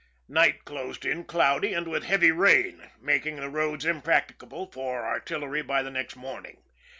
Night closed in cloudy and with heavy rain, making the roads impracticable for artillery by the next morning.